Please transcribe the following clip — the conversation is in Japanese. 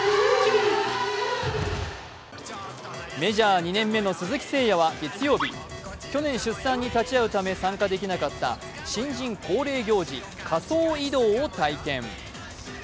メジャー２年目の鈴木誠也は月曜日、去年出産に立ち会うため参加できなかった新人恒例行事、仮装移動を体験。